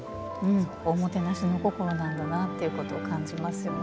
おもてなしの心なんだなっていうことを感じますよね。